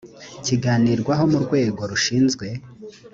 kiganirwaho mu rwego rushinzwe